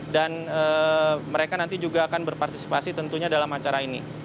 dan mereka nanti juga akan berpartisipasi tentunya dalam acara ini